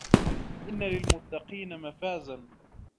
إن للمتقين مفازا